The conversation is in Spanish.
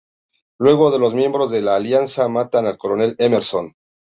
Luego los miembros de la Alianza matan al coronel Emerson.